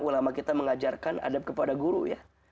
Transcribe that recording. ulama kita mengajarkan adab kepada guru ya